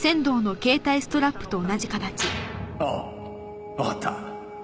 ああわかった。